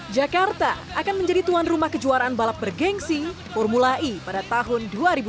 jakarta akan menjadi tuan rumah kejuaraan balap bergensi formula e pada tahun dua ribu dua puluh